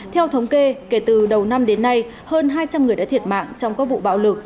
theo thống kê kể từ đầu năm đến nay hơn hai trăm linh người đã thiệt mạng trong các vụ bạo lực